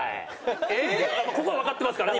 ここはわかってますからね。